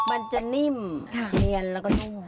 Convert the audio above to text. มันจะนิ่มเนียนแล้วก็นุ่ม